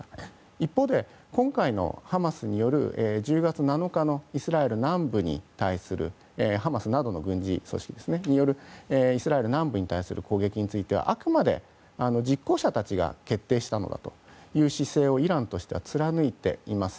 一方で、今回のハマスによる１０月７日のイスラエル南部に対するハマスなどの軍事組織ですがイスラエル南部への攻撃についてはあくまで実行者たちが決定したのだという姿勢をイランとしては貫いています。